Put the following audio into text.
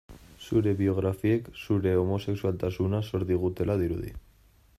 Zure biografiek zure homosexualtasuna zor digutela dirudi.